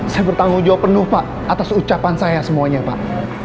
saya bertanggung jawab penuh pak atas ucapan saya semuanya pak